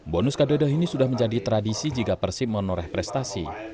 bonus kadoda ini sudah menjadi tradisi jika persib menoreh prestasi